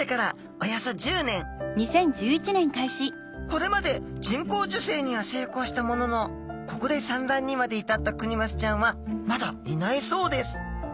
これまで人工授精には成功したもののここで産卵にまで至ったクニマスちゃんはまだいないそうです。